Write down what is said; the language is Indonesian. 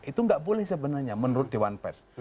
itu enggak boleh sebenarnya menurut dewan press